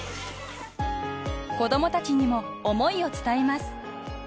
［子供たちにも思いを伝えます］